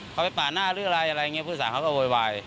เขาไปปาดหน้าหรืออะไรอะไรอย่างนี้ผู้โดยสารเขาก็โวยวาย